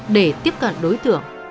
để tiếp cận đối tượng